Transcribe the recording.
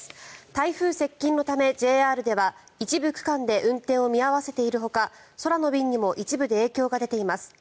台風接近のためＪＲでは一部区間で運転を見合わせているほか空の便にも一部で影響が出ています。